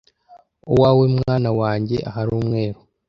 uwawe mwana wanjye ahari umweru